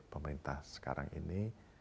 pemerintah sekarang ini